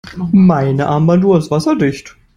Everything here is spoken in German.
Meine Armbanduhr ist wasserdicht.